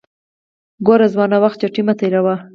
ګوره ځوانه وخت چټي مه تیروه